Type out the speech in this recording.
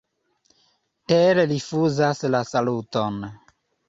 Tell rifuzas la saluton.